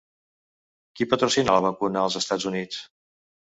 Qui patrocina la vacuna als Estats Units?